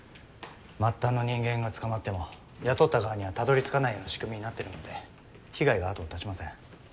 末端の人間が捕まっても雇った側には辿り着かないような仕組みになってるので被害が後を絶ちません。